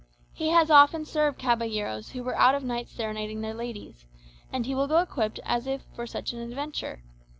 He has often served caballeros who were out of nights serenading their ladies; and he will go equipped as if for such an adventure.